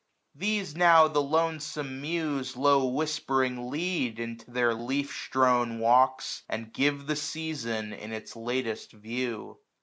These now the lonesome Muse, Low whispering, lead into their leaf strown walks. And give the season in its latest view.